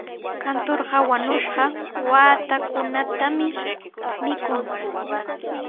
Kunturqa wañushqa waatakunatami mikun.